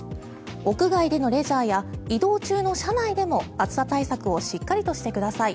屋外でのレジャーや移動中の車内でも暑さ対策をしっかりとしてください。